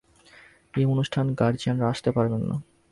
এই অনুষ্ঠানে গার্জিয়ানরা আসতে পারবেন না।